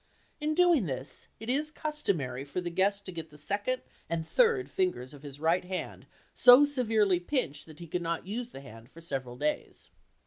In doing this, it is customary for the guest to get the second and third fingers of his right hand so severely pinched that he can not use the hand for several days.